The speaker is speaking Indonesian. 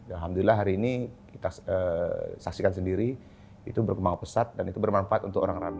alhamdulillah hari ini kita saksikan sendiri itu berkembang pesat dan itu bermanfaat untuk orang orang